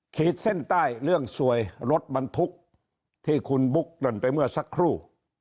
ขีดเส้นใต้เรื่องสวยรถบรรทุกที่คุณบุ๊กเกริ่นไปเมื่อสักครู่